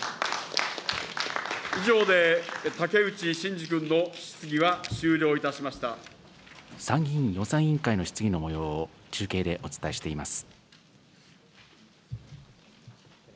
以上で竹内真二君の質疑は終参議院予算委員会の質疑のもようを、中継でお伝えしています。